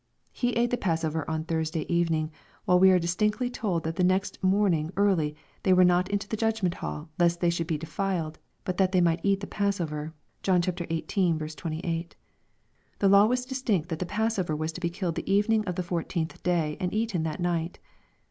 He ate the passover on Thursday evening, while we are distinctly told that the next morning early " they went not into the judgment hall, lest they should be defiled, but that they might eat the passover." (John xviii. 28.) The law was distinct that the passover was to be killed the evening of the fourteenth day, and eaten that night.